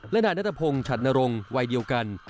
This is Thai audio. และนายนัทพงศ์ฉัดนรงค์วัยเดียวกัน